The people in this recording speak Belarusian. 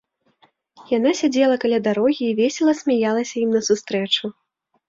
Яна сядзела каля дарогі і весела смяялася ім насустрэчу.